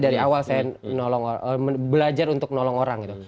dari awal saya belajar untuk nolong orang gitu